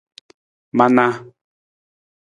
Manaa.